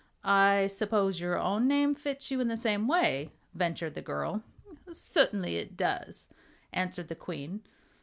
"I suppose your own name fits you in the same way," ventured the girl. "Certainly it does," answered the Queen.